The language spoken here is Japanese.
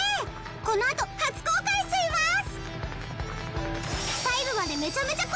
このあと初公開しちゃいます！